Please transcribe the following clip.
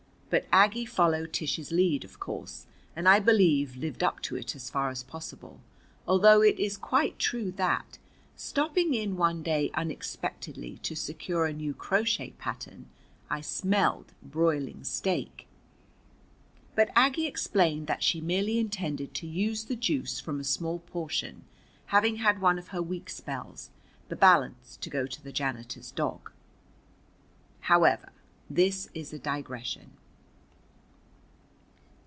But Aggie followed Tish's lead, of course, and I believe lived up to it as far as possible, although it is quite true that, stopping in one day unexpectedly to secure a new crochet pattern, I smelled broiling steak. But Aggie explained that she merely intended to use the juice from a small portion, having had one of her weak spells, the balance to go to the janitor's dog. However, this is a digression.